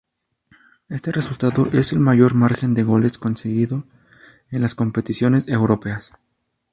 Este resultado es el mayor margen de goles conseguido en las competiciones europeas.